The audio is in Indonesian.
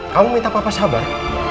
kamu minta papa sabar